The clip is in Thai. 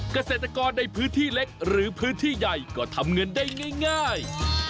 เกษตรกรในพื้นที่เล็กหรือพื้นที่ใหญ่ก็ทำเงินได้ง่าย